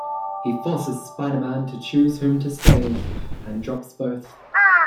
He forces Spider-Man to choose whom to save, and drops both.